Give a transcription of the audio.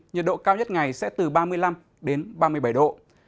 nhiệt độ cao nhất ngày sẽ từ ba mươi năm đến ba mươi bảy độ